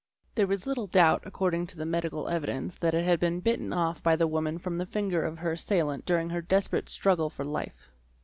There was little doubt according to the medical evidence that it had been bitten off by the woman from the finger of her assailant during her desperate struggle for life.